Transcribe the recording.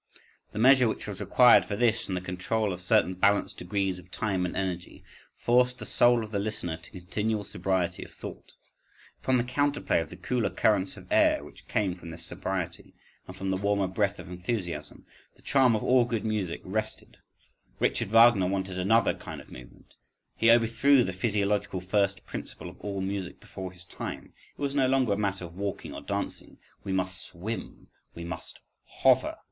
The measure which was required for this and the control of certain balanced degrees of time and energy, forced the soul of the listener to continual sobriety of thought.—Upon the counterplay of the cooler currents of air which came from this sobriety, and from the warmer breath of enthusiasm, the charm of all good music rested—Richard Wagner wanted another kind of movement,—he overthrew the physiological first principle of all music before his time. It was no longer a matter of walking or dancing,—we must swim, we must hover.